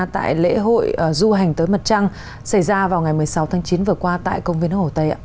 tại lễ hội du hành tới mặt trăng xảy ra vào ngày một mươi sáu tháng chín vừa qua tại công viên nước hồ tây ạ